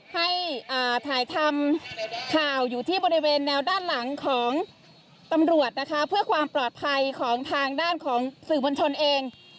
ให้ถ่ายทำข่าวอยู่ที่บริเวณแนวด้านหลังของตำรวจนะคะเพื่อความปลอดภัยของทางด้านของสื่อมวลชนเอง